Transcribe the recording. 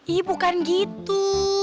ih bukan gitu